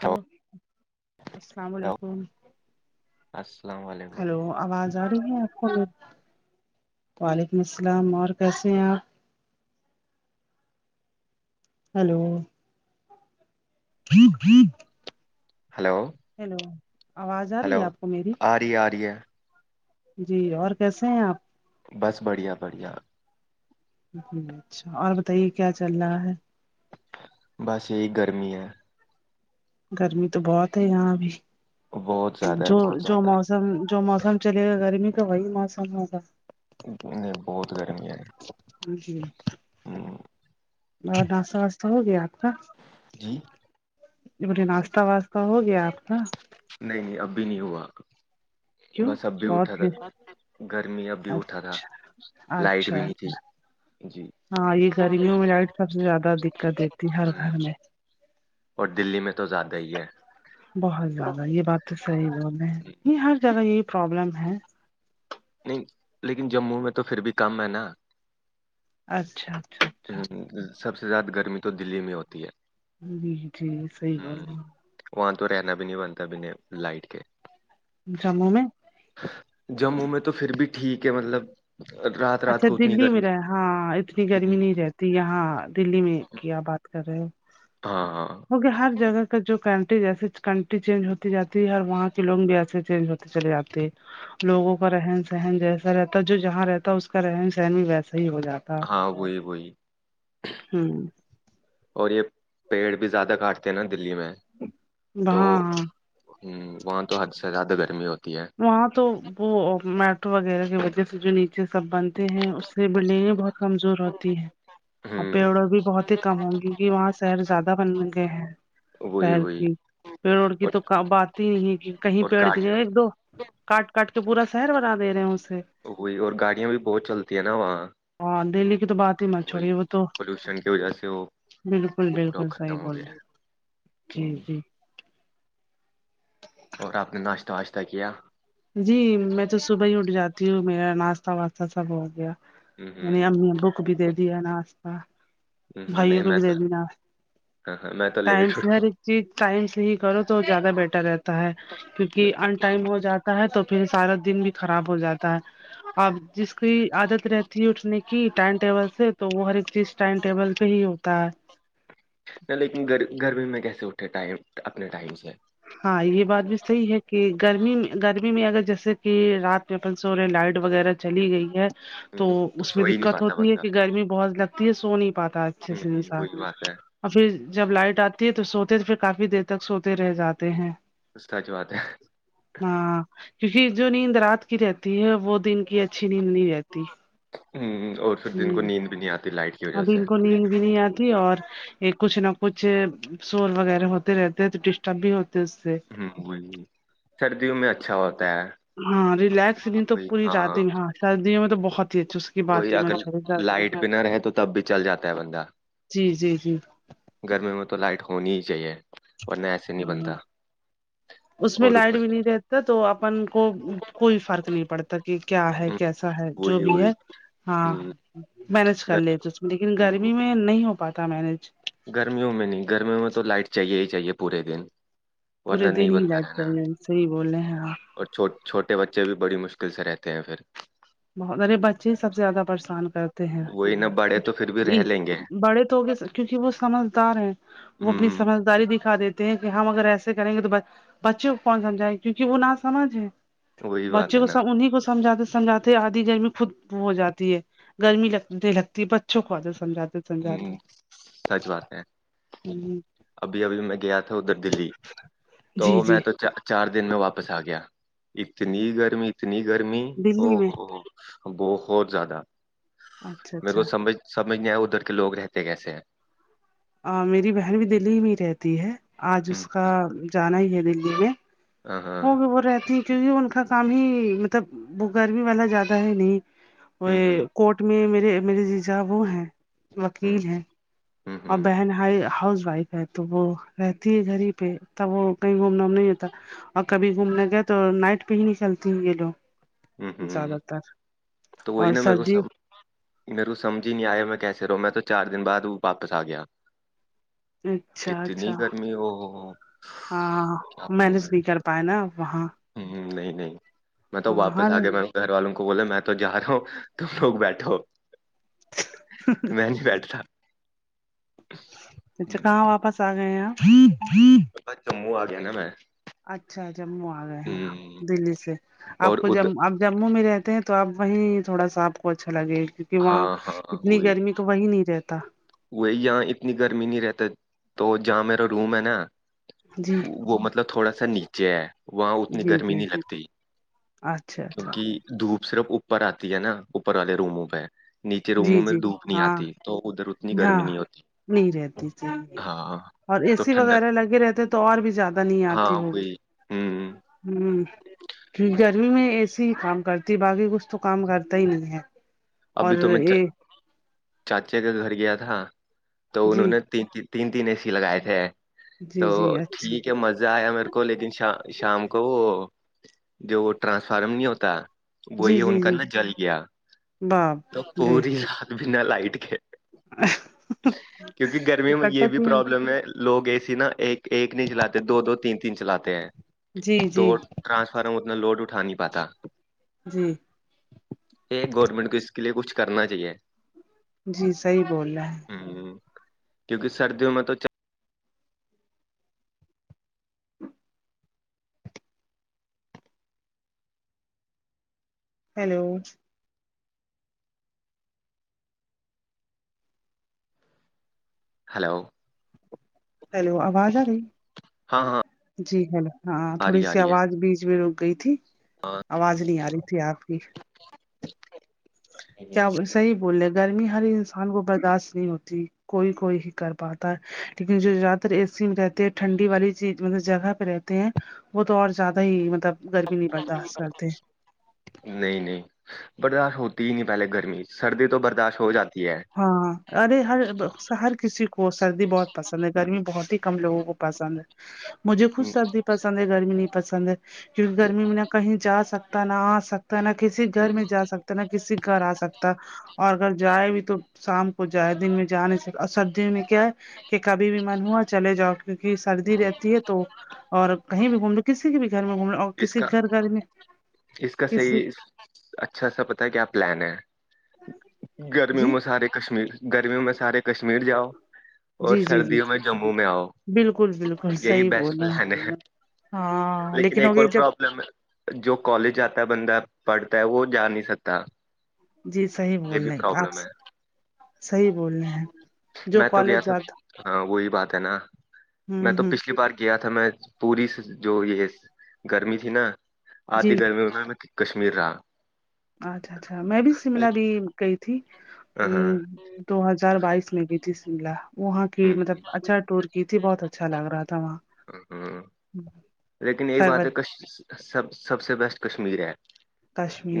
ہ السلام علیکم السلام وعلیک ہیلو آواز اری ہے اپ کو وعلیکم السلام اور کیسے ہیں آپ ہیلو [inaudible] ہلو ہیلو آواز آ رہی ہلو ہے آپ کو میری اری ہے اری ہے جی اور کیسے ہیں آپ بس بڑھیا بڑھیا جی اچھا اور بتائیے کیا چل رہا ہے بس یہی گرمی ہے گرمی تو بہت ہے یہاں بھی بہت زیادہ ہے، جو بہت جو زیادہ موسم جو موسم چلے گا گرمی کا وہی موسم ہوگا نہیں بہت گرمی ہے جی ہوں، اور ناشہ واشہ ہو گیا آپ کا جی بے ناشتہ واسطہ ہو گیا آپ کا نہیں نہیں اب بھی نہیں ہوا کیوں بس اب بھی اٹھا بہت تھا گرمی اب بھی اٹھا تھا اچھا لائٹ بھی نہیں اچھا تھی جی ہاں یہ گرمیوں میں لائٹ سب سے زیادہ دقت رہتی ہر ہ گھر میں اور دلی میں تو زیادہ ہی ہے بہت زیادہ یہ بات تو صحیح بول رہے ہیں یہ ہر جگہ یہی پرابلم ہے نہیں لیکن جموں میں تو پھر بھی کم ہے نا اچھا اچھا اچھا ہ سب سے زیادہ گرمی تو دلی میں ہوتی ہے جی جی صحیح گال ہوں، ہے وہاں تو رہنا بھی نہیں بنتا بنے لائٹ کے جموں میں جموں میں تو پھر بھی ٹھیک ہے مطلب رات رات اچھا کو اتنی دلی میں گرمی رہ ہاں اتنی گرمی ہوں، نہیں رہتی یہاں دلی میں کیا بات کر رہے ہو ہاں ہاں ہوک ہر جگہ کا جو کنٹری جسے کنٹری چینج ہوتی جاتی ہے ہر وہاں کے لوگ بھی ایسے چینج ہو چلے آتے لوگوں کا رہن سہن جیسا رہتا ہے جو جہاں رہتا ہے اس کا رہن سہن بھی ویسا ہی ہو جاتا ہاں وہی وہئی ہوں اور یہ پیڑ بھی زیادہ کاٹتے ہیں نا دلی میں ہاں تو ہاں ہوں وہاں تو حد سے زیادہ گرمی ہوتی ہے وہاں تو وہ میٹرو وغیرہ کی وجہ سے جو نیچے سب بند ہیں اس سے بلڈنگیں بہت کمزور ہوتی ہے اور ہ پیڑوں بھی بہت ہی کم ہ کیوںکہ وہاں شہر زیادہ بن گئے ہیں وہی شہر وہی کی پیڑوںڑ کی اور تو کا بات ہی نہیں ہے کہ کہیں اور پیڑ گاڑیاں دئے ایک دو کاٹ کاٹ کے پورا شہر بنا دے رہے ہیں اسے وہئی اور گاڑیاں بھی بہت چلتی ہیں نا وہاں ہاں دہلی کی تو بعات وہی چوڑی وہ تو پولوشن کی وجہ سے وہ بالکل پورا بالکل صحی ختم ہو بولے گیا ہے جی ہوں، جی اور آپ نے ناشتہ واشتہ کیا جی میں تو صبح ہی اٹھ جاتی ہوں میرا ناشتہ واشہ سب ہو گیا ہ میں ہ نے امی ابو کو بی دے دیا ہے ناشتہ بھائیوں نہیں کو میں بھی تو دے دینا ہاں ہاں میں تو ٹائم لیٹ سے اٹھ ہےر چی ٹائم سے ہی کرو تو زیادہ بیٹر رہتا ہے کیونکہ ان ٹائم ہو جاتا ہے تو پھر سارا دن بھی خراب ہو جاتا ہے اب جس کی عادت رہتی ہے اٹھنے کی ٹائم ٹیبل سے تو وہ ہر ایک چیز ٹائم ٹیبل سے ہی ہوتا ہے نہیں لیکن گ گرمی میں کیسے اٹھے ٹائم اپنے ٹائم سے ہاں یہ بات بھی صحیح ہے کہ گرمی میں گرمی میں اگر جیسے کہ رات میں اپن سوورے لائٹ وغیرہ چلی گئی ہے تو ہوں اس سو میں ہی نہیں دقت پاتا ہوتی ہے بندہ کہ گرمی بہت لگتی ہے سو نہیں پاتا اچھے ہوں سے انسان وہی بات ہے اور پھر جب لائٹ آتی ہے تو سوتے تو پھر کافی دیر تک سوتے رہ جاتے ہیں اسستاچ بات ہے ہاں کیونک جو نیند رات کی رہتی ہے وہ دن کی اچھی نیند نہیں رہتی ہ اور پھر دن کو ہ نیند بھی نہیں آتی لائٹ اب وجہ سے ان کو نیند بھی نہیں آتی اور یہ کچھ نا کچھ شور وغیرہ ہوتے رہتے ہیں تو ڈسٹرب بھی ہوتے اس سے ہ وہ سردیوں میں اچھا ہوتا ہے ہاں ریلیکس نہیں تو پور رات میں ہاں سردیوں میں تو بہت ہی اچھی اس کی بات وہی ہی اگر چ لائٹ بھی نہ رہے تو تب بھی چل جاتا ہے بندہ جی جی جی گرمی میں تو لائٹ ہونی ہی چاہیے ورنہ ایسے نہیں ہاں بنتا اس میں اور لائٹ اوپر بھی نہیں رہتا تو اپن کو کوئی فرق نہیں پڑتا کہ کیا ہے ہوں، کیس ہے جو وہی بھی وہی ہے ہاں ہوں، مینج کر گر- لیتے لیکن ہوں، گرمی میں نہیں ہو پاتا مینج گرمیوں میں نہیں گرمیوں میں تو لائٹ چاہیے ہی چاہیے پورے دن ورنہ پورے نہیں دن ہی لائٹ چاہیے صحیح بول رہے ہیں آپ اورچھو چھوٹے بچے بھی بڑی مشکل سے رہتے ہیں پھر بہت ارے بچے سب سے زیادہ پریشان کرتے ہیں وہی نہ بڑے تو پھر بھی رہ لیں گے بڑے تو ہوگئے کیونکہ وہ سمجھدار ہیں وہ اپنی ہوں سمجھداری دکھا دیتے ہیں کہ ہم اگر ایسے کریں گے تو بس بچے کو کون سمجھائے کیونکہ وہ نہ سمجھ ہے وہی بات بچے ہے کو نا سا انیں کو سمجھاتے سمجھاتے آدھی گرمی خود ہو جاتی ہے گرمی لگتے لگتی ہے بچوں کو آدر سمجھاتے سمجات ہ سچ بات ہے [unintelligible] ابھی ابھی میں گیا تھا ادھر دلی تو جی میں جی تو چا چار دن میں واپس آ گیا اتنی گرمی اتنی گرمی او دلی میں ہو ہو بہت زیادہ اچھا میرے کو اچھا سمج سمجھ نہیں آئے ادھر کے لوگ رہتے کیسے ہیں میری بہن بھی دللی میں ہی رہتی ہے آج ہوں، اس کا جانا ہی ہے دللی میں ہاں ہاں ہو بھی وہ رہتی ہیں کیونکہ ان کا کام ہی مطلب وہ گرمی والا زیادہ ہے نہیں ہ اوے ہ کوٹ میں میرے میرے جیجا وہ ہیں ہ وکیل ہیں اور ہ بہن بھائی ہای ہاؤس وائف ہےتو وہ رہتی ہے گھر ہی پہ تب وہ کہیں گھومنا نہیں ہوتا اور کبھی گھومنے گئے تو نائٹ پہ ہی نکلتی ہیں یہ لوگ ہوں ہوں زیادہ تر تو وہی اور نا میرے کو سردی سب میرے کو سمجھ نہیں آیا میں کیسے رہو میں تو چار دن بعد وہ واپس آ گیا اچھا اتنی اچھا گرمی وہ ہو ہو ہاں مینج نہیں کر پائے نا آپ وہاں ہوں نہیں نہیں میں تو ہاں واپس آ ہر گیا میں گھر والوں کو بولا میں تو جا رہا ہو تم لوگ بیٹھو میں نہیں بیٹھتا اچھا ہوں، کہاں واپس آ گئے ہے آپ بس جموں آ گیا نا میں اچھا جموں آ گئے ہیں ہ دلی سے آپ اور کو اد جمو اب جموں میں رہتے ہیں تو اب وہیں تھوڑا سا آپ کو اچھا لگے کہ وہاں ہاں ہاں اتنی وہی گرمی تو وہی نہیں رہتا وہی یہاں اتنی گرمی نہیں رہتے تو جہاں میرا روم ہے نا جی وہ مطلب تھوڑا سا نیچے ہے وہاں اتنی گرمی نہیں لگتی اچ کیونکہ دھوپ صرف اوپر آتی ہے نا اوپر والے روموں پہ نیچے جی روموں میں جی دھوپ نہیں ہاں آتی تو ادھر اتنی ہاں گرمی نہیں ہوتی نہیں رہتی جی ہاں اور اے تو سی وغیرہ ٹھنڈک لگے رہتے تو اور بھی زیادہ نہیں ہاں آتی ہو وہی ہوں ہوں کیونکہ گرمی میں اے سی ہی کام کرتی باقی کچھ تو کام کرتا ہی نہیں ہے اور ابھی تو میں چا یہ چاچا کے گھر گیا تھا تو انہوں جی نے تین تین تین تین اے سی لگائے تھے جی تو جی اچھا ٹھیک کہ مزہ آیا میرے کو لیکن شا شام کو وہ جو وہ ٹرانسفارم نہیں ہوتا جی وہی ان جی کا جی نا جل گیا تو باپ لے پوری رات بنا لائٹ کے کیونکی گرمیوں میں یے کٹا بھی تین پروابلم ہے لوگ اے س نا ایک ایک نہیں چلاتے دو دو تین تین چلاتے ہیں جی تو جی ٹرانسفارم اتنا لوڈ اٹھا نہیں پاتا جی ایک گورنمنٹ کو اس کے لیئے کچھ کرنا چاہیے جی صحیح بول رہے ہیں کیونکی سردیوں میں تو چا ہیلو ہلو ہیلو آواز آ رہی ہاں ہاں جی ہلو ہاں آ تھوڑی رہی ہے آ سی رہی ہے آواز بیچ میں رک گئی تھی آواز نہیں آ رہی تھی آپ کی کیا صحیح بول رہے گرمی ہر انسان کو برداشت نہیں ہوتی کوئی کوئی ہی کر پاتا ہے لیکن جو زیادہ تر اے سی میں رہتے ہے ٹھنڈی والی چیز مطلب جگہ پے رہت تے ہیں وہ تو اور زیادہ ہی مطلب گرمی نہیں برداشت کرتے نہیں نہیں برداشت ہوتی ہی نہیں پہلے گرمی سردی تو برداشت ہو جاتی ہے ہاں ارے ہر ہر کسی کو سردی بہت پسند ہے گرمی بہت ہی کم لوگوں کو پسند ہے مجھے خود ہم، سردی پسند ہے گرمی نہیں پسند ہے کیونکی گرمی میں نہ کہیں جا سک تا نہ آ سکتا نہ کسی گھر ہم، میں جا سکتا نہ کسی گھر آ سکتا اور اگر جائے بھی تو شام کو جائے دن میں جا نہیں سکتا اور سردی میں کیا ہے کی کبھی بھی من ہوا چلے جاؤ اٹھ کے کی سردی ہم۔ رہتی ہے تو اور کہیں بھی گھوم لو کسی کے بھی گھر میں گھوم لو اور اس کسی کا گھر گھر میں اس کا کسی صحیح اچھا سا پتہ ہے کیا پلان ہے گرمیوں جی میں سارے کشمیر گرمیوں میں سارے کشمیر جاؤ اور جی جی جی سردیوں میں جموں میں آؤ بالکل بالکل یہی صحیح بیسٹ بول رہے ہیں پلان ہے ہاں لیکن ہو ایک گیا اور جب پروابلم ہے جو کالج جاتا ہے بندہ پڑھتا ہے وہ جا نہیں سکتا جی صحیح یہ بول بھی رہے ہیں آپ پرابلم ہے صحیح بول رہے ہیں جو میں تو کالج گیا تھا جاتا ہاں وہی بات ہے نا میں ہوں تو ہ پچھلی بار گیا تھا میں پوری جو یے گرمی تھی نا جی آدھی گرمیوں میں کشمیر رہا اچھا اچھا میں بھی شملا ہاں گی گئی تھی ہ دو ہزار بائیس میں گی تھی شملا وہاں کی مطلب اچھا ٹور کی تھی بہت اچھا لگ رہا تھا وہاں ہ لیکن ایک بات ہے پروت کش سب سب سے بیسٹ کشمیر ہے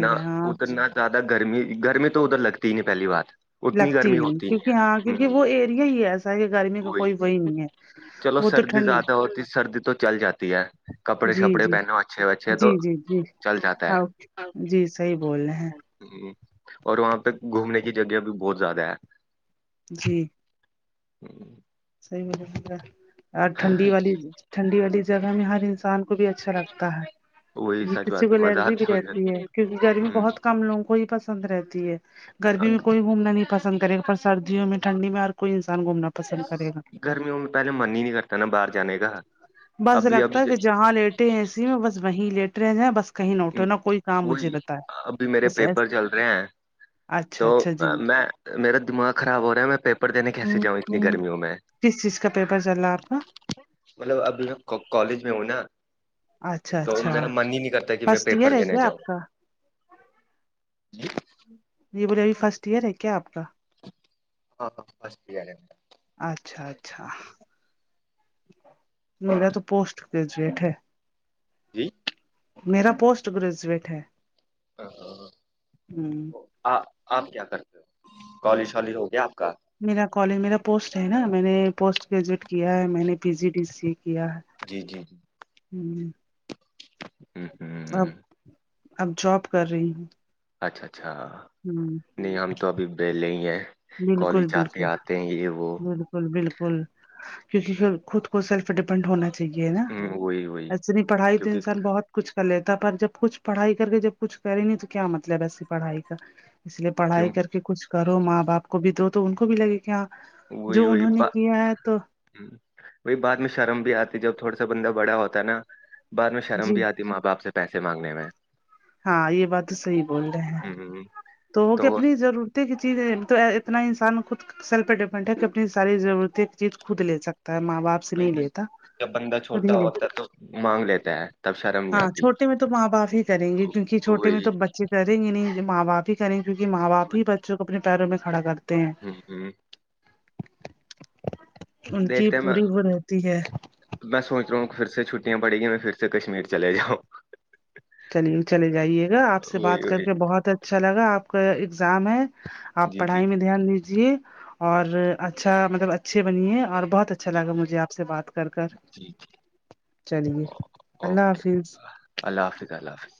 نہ ہاں ادھر نہ زیادہ گرمی گرمی تو ادھر لگتی ہی نہیں پہلی بات اتنی لگتی گرمی نہیں ہوتی کیونکی ہاں ہے کیونکی ہوں وہ ایریا ہی ہے ایسا ہے کہ گرمی کو کوئی وہی نہیں ہے چلو وہ تو سردی ٹھنڈ زیادہ ہوتی سردی تو چل جاتی ہے کپڑے جی شپڑے جی پہنو اچھے وچھے تو جی جی جی چل جاتا ہے ہاں جی صحیح بول رہے ہیں ہوں اور وہاں پے گھومنے کی جگہ بھی بہت زیادہ ہے جی ہ صحیح ہولے اور ٹھنڈی والی ٹھنڈی والی جگہ میں ہر انسان کو بھی اچھا لگتا ہے وہی یے سچ کسی بات کو ہے مزہ الرجی بھی آتا رہتی ہے کیونکی گرمی بہت کم لوگوں کو ہی پسند رہتی ہے گرمی میں کوئی گھومنا نہیں پسند کرے گا پر سردیوں میں ٹھنڈی میں ہر کوئی انسان گھومنا پسند کرے گا گرمیوں میں پہلے من ہی نہیں کرتا نا باہر جانے کا بس ابھی لگتا ہے کہ ابھی جہاں لیٹے ہیں اے سی میں بس وہیں لیٹ رہے جائیں بس کہیں نہ آمم اٹھو نہ کوئی کام مجھے وہی بتائے ابھی میرے بس پیپر ایس۔ چل رہے ہیں اچھا تو اچھا جی میں میرا دماغ خراب ہو رہا ہے میں پیپر دینے کیسے جاؤں اتنی گرمیوں میں کس چیز کا پیپر چل رہا ہے آپ کا مطلب ابھی میں کا کالج میں ہوں نا اچھا تو اچھا میرا من ہی نہیں کرتا جی میں فرسٹ ایئر پیپر ہے دینے کیا جاؤ آپ کا یے بولیے ابھی فرسٹ ایئر ہے کیا آپ کا ہاں ابھی فرسٹ ایئر ہے اچھا اچھا میرا تو پوسٹ گریجویٹ ہے جی میرا پوسٹ گریجویٹ ہے ہ آ آپ کیا کرتے ہو کالج شالج ہو گیا آپ کا میرا کالج میرا پوسٹ ہے نا میں نے پوسٹ گریجویٹ کیا ہے میں نے پی جی ڈی سی کیا ہے جی جی جی ہوں ہوں ہوں اب اب جاب کر رہی ہوں اچھا اچھا ہ نہیں ہم تو ابھی بہلے ہی ہیں بالکل کالج جاتے بالکل آتے ہیں یہ وہ بالکل بالکل کیوں کی خود کو سیلف ڈیپینڈ ہونا چاہیے نا وہی وہی ایسے بہی پڑھائی تو کیونکہ انسان بہت کچھ کر لیتا پر جب کچھ پڑھائی کر کے جب کچھ کرے نہیں تو کیا مطلب ایسی پڑھائی کا اس لیے پڑھائی کیوں کر کے کچھ کرو ماں باپ کو بھی دو تو ان کو بھی لگے کہ ہاں وہی جو وہی انہوں نے کیا ہے تو بی بعد میں شرم بھی آتی جب تھوڑا سا بندہ بڑا ہوتا ہے نا بعد میں شرم جی بھی آت ی ماں باپ سے پیسے مانگنے میں ہاں یہ بات تو صحیح بول رہے ہیں ہ تو وہ کہ اپنی ضرورتیں کی چیزیں تو اتنا انسان خود سل پہ ڈیپنڈ ہے کہ اپنی ساری ضرورت چیز خود لے سکتا ہے ماں باپ سے نہیں لیتا جب بندہ خود ہی چھوٹا لے ہوتا ہے تو مانگ لیتا ہے تب شرم نہیں ہاں آتی چھوٹے میں تو ماں باپ ہی کریں گے کیونکہ چھوٹے میں وہی تو بچے کریں گے نہیں ماں باپ ہی کریںے کیونکے ماں باپ ہی بچوں کو اپنے پیروں میں کھڑا کرتے ہیں ہوں ہوں ان کی دیکھتے میں پوری وہ رہتی ہے میں سوچ رہا ہوں کہ پھر سے چھٹیاں پڑی گی میں پھر سے کشمیر چلے جاؤ چلیے چلے جائیے گا آپ سے بات وہی کر وہی کے بہت اچھا لگا آپ کا اگزام ہے آپ جی جی پڑھائی میں دھیان دیجیے اور اچھا مطلب اچھے بنیے اور بہت اچھا جی لگا مجھے آپ سے بات کر کر جی چلیے اللہ اوکے حافظ اللہ حافظ اللہ حافظ